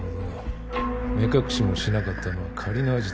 目隠しもしなかったのは仮のアジトだからか。